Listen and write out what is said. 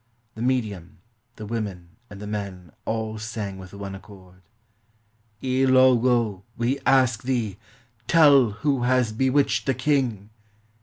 The medium, the women, and the men all sang with one accord :—" Ilogo, we ask thee, Tell who has bewitched the king!